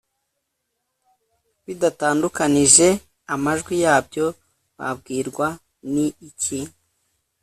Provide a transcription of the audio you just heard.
bidatandukanije amajwi yabyo babwirwa n iki